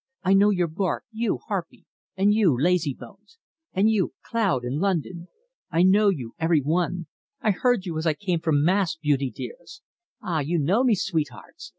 I know your bark, you, Harpy, and you, Lazybones, and you, Cloud and London! I know you every one. I heard you as I came from Mass, beauty dears. Ah, you know me, sweethearts?